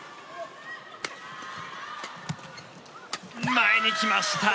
前に来ました。